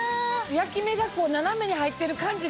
焼き目が斜めに入ってる感じが。